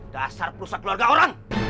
dasar perusahaan keluarga orang